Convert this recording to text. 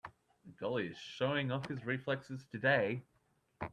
The goalie is showing off his reflexes today.